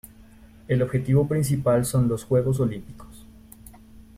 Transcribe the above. El objetivo principal son los Juegos Olímpicos".